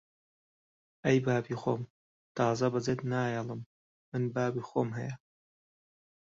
ئەی بابی خۆم! تازە بەجێت نایەڵم! من بابی خۆم هەیە!